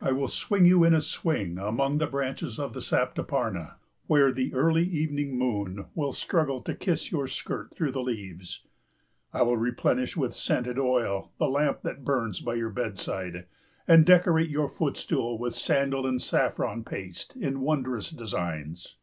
I will swing you in a swing among the branches of the saptaparna, where the early evening moon will struggle to kiss your skirt through the leaves. I will replenish with scented oil the lamp that burns by your bedside, and decorate your footstool with sandal and saffron paste in wondrous designs.